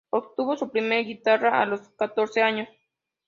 Obtuvo su primera guitarra a los catorce años.